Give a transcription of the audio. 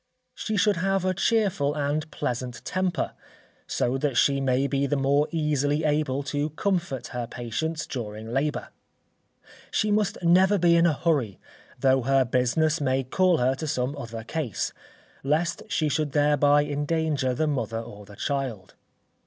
She should have a cheerful and pleasant temper, so that she may be the more easily able to comfort her patients during labour. She must never be in a hurry, though her business may call her to some other case, lest she should thereby endanger the mother or the child.